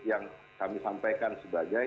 yang kami sampaikan sebagai